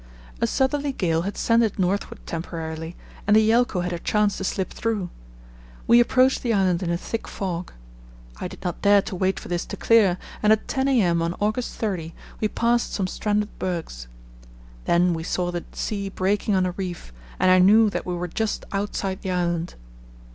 A southerly gale had sent it northward temporarily, and the Yelcho had her chance to slip through. We approached the island in a thick fog. I did not dare to wait for this to clear, and at 10 a.m. on August 30 we passed some stranded bergs. Then we saw the sea breaking on a reef, and I knew that we were just outside the island.